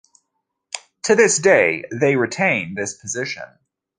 To this day, they retain this position.